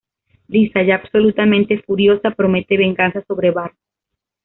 Lisa, ya absolutamente furiosa, promete venganza sobre Bart.